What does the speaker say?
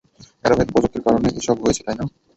Arrowhead প্রজেক্টের কারণে এসব হয়েছে, তাই না?